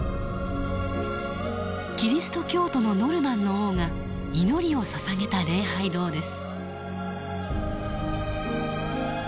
キリスト教徒のノルマンの王が祈りをささげた礼拝堂です。